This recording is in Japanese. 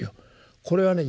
これはね